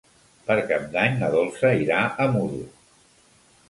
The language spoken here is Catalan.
Per Cap d'Any na Dolça irà a Muro.